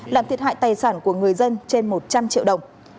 làm thiệt hại tài sản của người dân trên một trăm linh triệu đồng